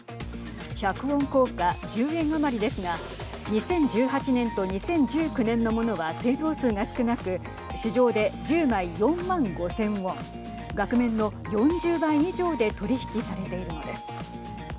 １００ウォン硬貨１０円余りですが２０１８年と２０１９年のものは製造数が少なく市場で１０枚４万５０００ウォン額面の４０倍以上で取り引きされているのです。